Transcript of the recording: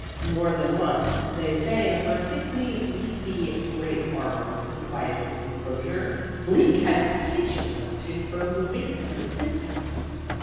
More than once, as they sat under a thickly leafy grape arbor in the quiet green enclosure, Bleak had to pinch himself to confirm the witness of his senses.